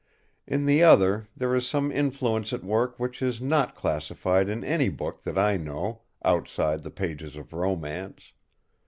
In the other there is some influence at work which is not classified in any book that I know—outside the pages of romance.